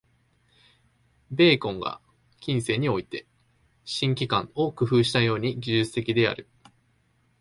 ベーコンが近世において「新機関」を工夫したように、技術的である。